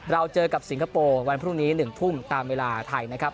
เราเจอกับสิงคโปร์วันพรุ่งนี้๑ทุ่มตามเวลาไทยนะครับ